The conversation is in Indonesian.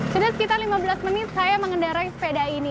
sudah sekitar lima belas menit saya mengendarai sepeda ini